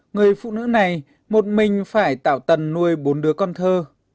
người phụ nữ này một mình phải tạo tần nuôi bốn đứa con thơ